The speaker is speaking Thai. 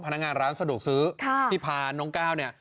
พนักงานร้านสะดวกซื้อที่พาน้องก้าวเนี่ย